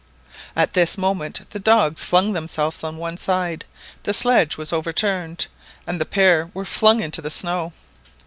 At this moment the dogs flung themselves on one side, the sledge was overturned, and the pair were flung into the snow.